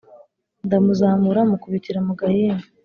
ndamuzamura mukubitira mu gahinga,